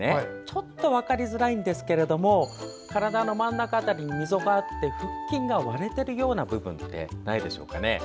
ちょっと分かりづらいのですが体の真ん中辺りに溝があって腹筋が割れているような部分ってないでしょうかね？